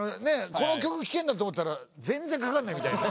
この曲聴けんだと思ったら全然かかんないみたいな。